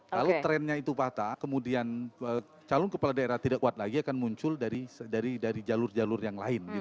kalau trennya itu patah kemudian calon kepala daerah tidak kuat lagi akan muncul dari jalur jalur yang lain